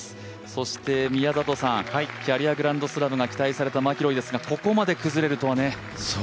そして宮里さん、キャリアグランドスラムが期待されたマキロイですがここまで崩れるとはね。